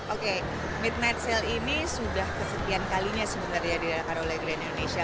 oke midnight sale ini sudah kesepian kalinya sebenarnya di raka rola grand indonesia